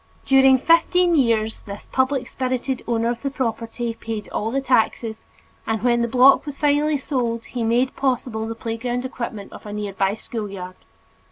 During fifteen years this public spirited owner of the property paid all the taxes, and when the block was finally sold he made possible the playground equipment of a near by schoolyard.